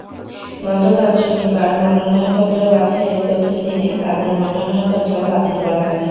গতকাল শনিবার মনোনয়নপত্র বাছাইয়ের প্রথম দিনে তাঁদের মনোনয়নপত্র বাতিল করা হয়।